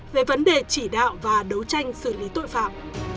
về vấn đề chỉ đạo và đấu tranh xử lý tội phạm